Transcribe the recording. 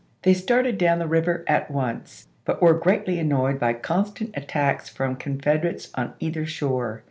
They started down the river at once, but were greatly annoyed by constant attacks from Confederates on either shore.